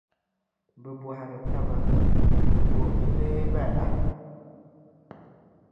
bɛ bɔhiri taba, “Bɔ n-lee bala?”